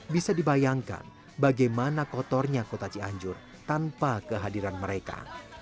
bisa dibayangkan bagaimana kotornya kota cianjur tanpa kehadiran mereka